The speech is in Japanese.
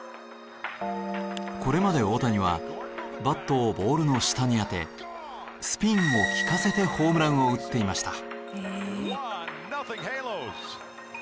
これまで大谷はバットをボールの下に当てスピンを効かせてホームランを打っていました。